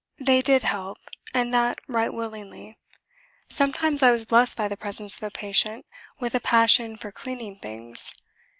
They did help, and that right willingly. Sometimes I was blessed by the presence of a patient with a passion for cleaning things.